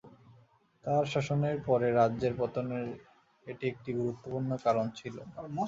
তাঁর শাসনের পরে রাজ্যের পতনের এটি একটি গুরুত্বপূর্ণ কারণ ছিল।